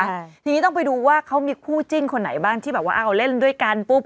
ใช่ทีนี้ต้องไปดูว่าเขามีคู่จิ้นคนไหนบ้างที่แบบว่าเอาเล่นด้วยกันปุ๊บ